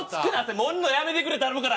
盛るのやめてくれ頼むから。